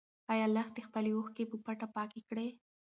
ايا لښتې خپلې اوښکې په پټه پاکې کړې؟